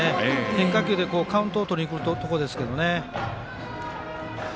変化球でカウントをとりにくるところですけどね。